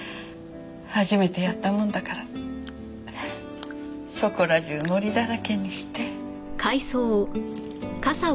初めてやったもんだからそこら中糊だらけにして。